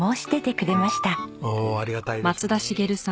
おおありがたいですね。